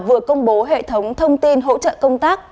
vừa công bố hệ thống thông tin hỗ trợ công tác